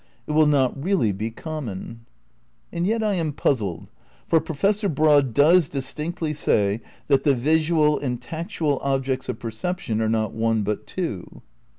It will not really be common. (And yet I am puzzled ; for Professor Broad does dis tinctly say that the visual and tactual objects of percep tion are not one but two.)